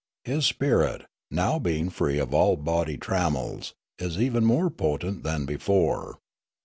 His spirit, now being free of all bodil}^ trammels, is even more potent than before.